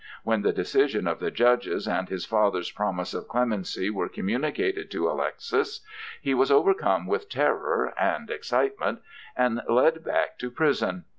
When the decision of the judges and his father's promise of clemency were communicated to Alexis, he was overcome with terror and excitement, and led back to prison.